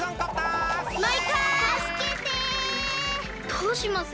どうします？